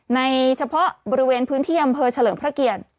เฉพาะบริเวณพื้นที่อำเภอเฉลิมพระเกียรติ